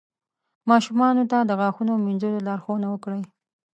ماشومانو ته د غاښونو مینځلو لارښوونه وکړئ.